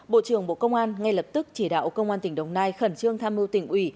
bộ trưởng bộ công an ngay lập tức chỉ đạo công an tỉnh đồng nai khẩn trương tham mưu tỉnh ủy